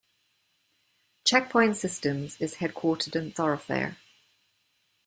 Checkpoint Systems is headquartered in Thorofare.